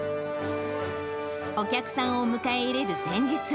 お客さんを迎え入れる前日。